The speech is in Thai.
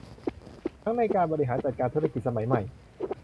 ทั้งในการบริหารจัดการธุรกิจสมัยใหม่